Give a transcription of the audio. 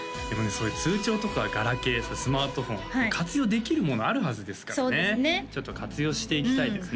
そういう通帳とかガラケースマートフォン活用できるものあるはずですからねちょっと活用していきたいですね